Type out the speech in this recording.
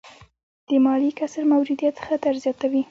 د مالي کسر موجودیت خطر زیاتوي.